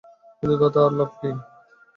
কিন্তু তাতে আর লাভ কী!